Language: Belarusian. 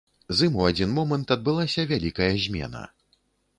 З ім у адзін момант адбылася вялікая змена.